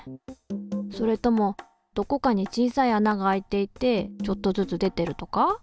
それともどこかに小さいあながあいていてちょっとずつ出てるとか？